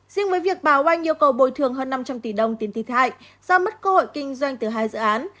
riêng với việc bảo anh yêu cầu bồi thường hơn năm trăm linh tỷ đồng tiền thi thại do mất cơ hội kinh doanh từ hai dự án